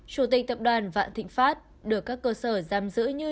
chủ tịch tập đoàn vạn thịnh pháp được các cơ sở giam giữ như